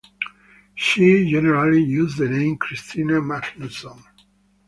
She generally uses the name Christina Magnuson.